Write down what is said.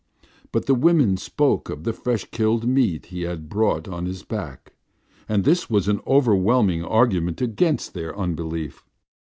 But the women spoke of the fresh killed meat he had brought on his back, and this was an overwhelming argument against their unbelief.